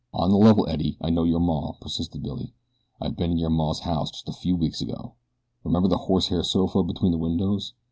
"On the level Eddie, I know your maw," persisted Billy. "I ben in your maw's house jest a few weeks ago. 'Member the horsehair sofa between the windows?